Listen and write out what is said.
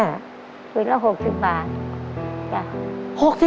ผืนละ๖๐บาท